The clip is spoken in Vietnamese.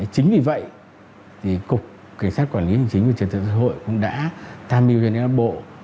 chính vì vậy cục kỳ sát quản lý hình chính và chính trị thế giới hội cũng đã tham mưu cho các bộ